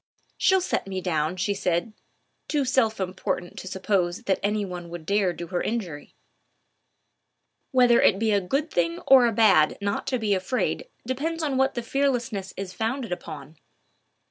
"She'll soon set me down," she said, too self important to suppose that any one would dare do her an injury. Whether it be a good thing or a bad not to be afraid depends on what the fearlessness is founded upon.